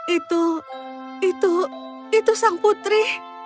itu itu sang putri